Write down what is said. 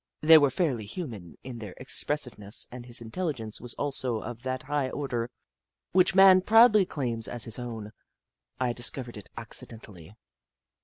They were fairly human in their expressive ness, and his intelligence was also of that high order which Man proudly claims as his own. I discovered it accidentally.